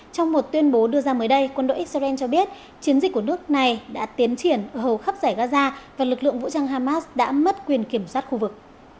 trong một tuyên bố đưa ra mới đây quân đội israel cho biết chiến dịch của nước này đã tiến triển hầu khắp giải gaza và lực lượng vũ trang hamas đã mất quyền kiểm soát khu vực